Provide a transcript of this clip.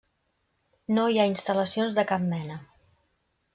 No hi ha instal·lacions de cap mena.